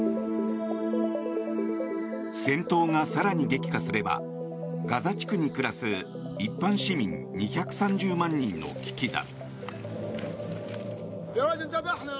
戦闘が更に激化すればガザ地区に暮らす一般市民２３０万人の危機だ。